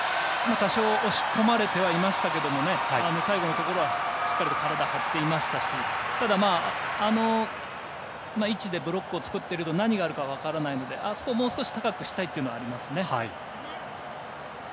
多少押し込まれてはいましたが最後のところはしっかり体張っていましたしただ、あの位置でブロックを作っていると何があるか分からないのであそこをもう少し高くしたいというのはありますね。